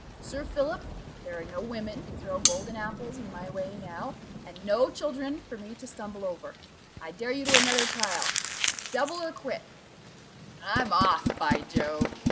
Sir Philip, there are no women to throw golden apples in my way now, and no children for me to stumble over: I dare you to another trial double or quit." "I'm off, by Jove!"